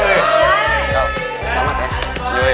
engkau selamat ya